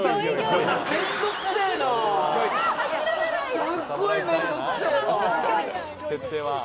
すっごい面倒くさいわ！